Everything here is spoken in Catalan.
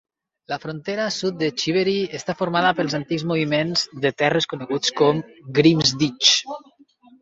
La frontera sud de Chivery està formada pels antics moviments de terres coneguts com Grim's Ditch.